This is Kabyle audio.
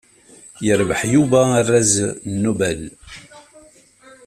Yerbeḥ Yuba arraz Nobel.